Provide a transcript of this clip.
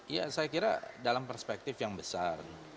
ya saya kira dalam perspektif yang besar